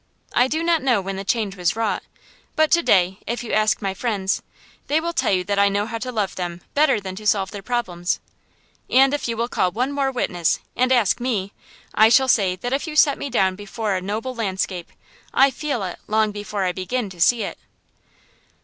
I do not know when the change was wrought, but to day, if you ask my friends, they will tell you that I know how to love them better than to solve their problems. And if you will call one more witness, and ask me, I shall say that if you set me down before a noble landscape, I feel it long before I begin to see it.